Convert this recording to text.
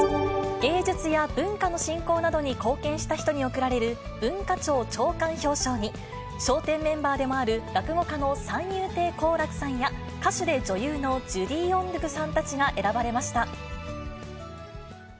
芸術や文化の振興などに貢献した人に贈られる文化庁長官表彰に、笑点メンバーでもある落語家の三遊亭好楽さんや歌手で女優のジュディ・オングさんたちが選ばれました。